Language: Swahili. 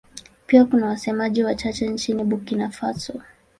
Pia kuna wasemaji wachache nchini Burkina Faso.